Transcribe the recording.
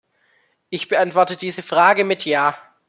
Ich beantworte diese Frage mit Ja.